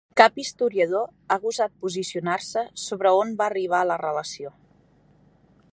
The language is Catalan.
Cap historiador ha gosat posicionar-se sobre on va arribar la relació.